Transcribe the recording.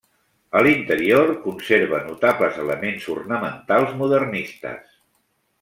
A l'interior conserva notables elements ornamentals modernistes.